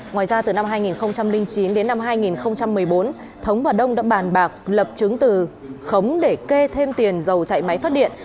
ngoài ra từ năm hai nghìn chín đến năm hai nghìn một mươi bốn thống và đông đã bàn bạc lập chứng từ khống để kê thêm tiền dầu chạy máy phát điện